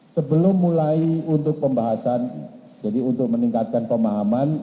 sebelum mulai untuk pembahasan jadi untuk meningkatkan pemahaman